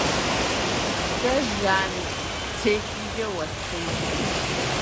Сэ жан телъыджэ уэстынщ.